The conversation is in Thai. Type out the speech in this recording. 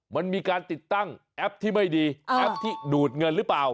มันมีการติดตั้งแอปที่ไม่ดีแอปที่ดูดเงินหรือเปล่า